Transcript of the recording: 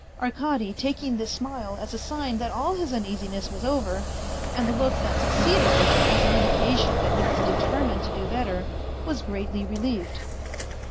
Arkady, taking this smile as a sign that all his uneasiness was over, and the look that succeeded it as an in dication that he was determined to do better, was greatly relieved.